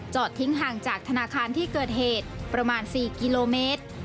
ทิ้งห่างจากธนาคารที่เกิดเหตุประมาณ๔กิโลเมตร